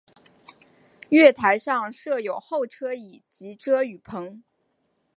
月台上设有候车椅及遮雨棚。